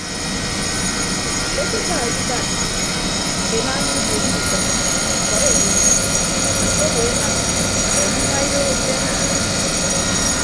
Ekpeka edibad enaana iwuuk ndutʌm ñkọrọ edu nnyin afịd owo ema mme andima idooho mbeñe.